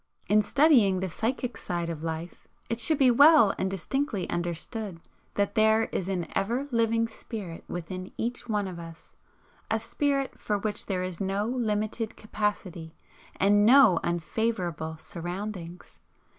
In studying the psychic side of life it should be well and distinctly understood that THERE IS AN EVER LIVING SPIRIT WITHIN EACH ONE OF US; a Spirit for which there is no limited capacity and no unfavourable surroundings.